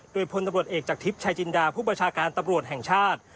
โดยพลตำรวจเอกจากทิพย์ชายจินดาผู้ประชาการตำรวจแห่งชาติ